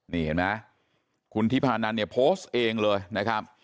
นี่เห็นไหมคุณทิพานันเนี่ยโพสต์เองเลยนะครับ